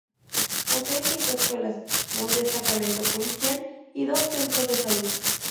Posee cinco escuelas, un destacamento policial y dos centros de salud.